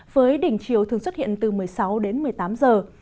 với đỉnh chiều thường xuất hiện từ một mươi sáu đến một mươi tám giờ